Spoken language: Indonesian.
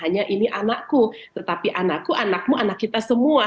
hanya ini anakku tetapi anakku anakmu anak kita semua